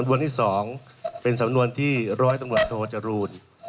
สำนวนที่๒เป็นสำนวนที่๑๐๐ตำรวจโธศจรูล